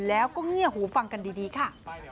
แล้วก็เงียบหูฟังกันดีค่ะ